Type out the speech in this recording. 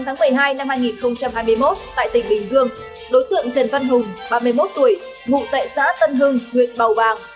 ngày hai mươi tám tháng bảy mươi hai năm hai nghìn hai mươi một tại tỉnh bình dương đối tượng trần văn hùng ba mươi một tuổi ngụ tại xã tân hương huyện bào bàng